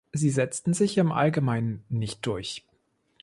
Sie setzten sich im Allgemeinen nicht durch.